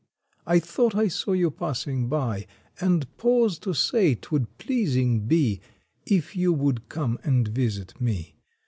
"I thought I saw you passing by, And pause to say twould pleasing be If you would come and visit me.